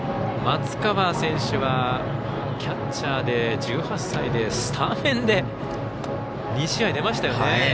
松川選手は、キャッチャーで１８歳でスタメンで２試合出ましたよね。